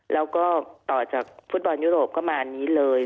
แล้วก็ต่อจากฟุตบอลยุโรปก็มาอันนี้เลย